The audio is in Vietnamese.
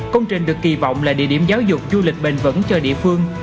công trình được kỳ vọng là địa điểm giáo dục du lịch bền vững cho địa phương